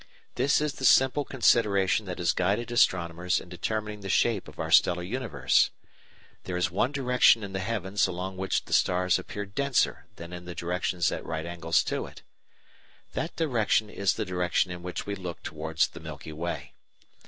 This is the simple consideration that has guided astronomers in determining the shape of our stellar universe. There is one direction in the heavens along which the stars appear denser than in the directions at right angles to it. That direction is the direction in which we look towards the Milky Way.